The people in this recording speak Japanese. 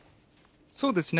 そうですね。